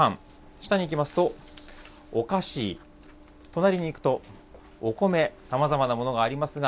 下にいきますと、お菓子、隣にいくと、お米、さまざまなものがありますが、